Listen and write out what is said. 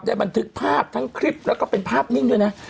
บันทึกภาพทั้งคลิปแล้วก็เป็นภาพนิ่งด้วยนะ